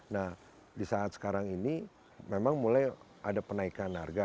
nah di saat sekarang ini memang mulai ada penaikan harga